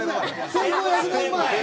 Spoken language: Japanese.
１５００年前！